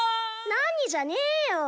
⁉「何」じゃねーよ。